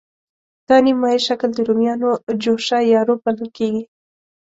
دا نیم مایع شکل د رومیانو جوشه یا روب بلل کېږي.